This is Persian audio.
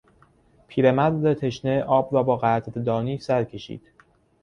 پیرمرد تشنه آب را با قدردانی سرکشید.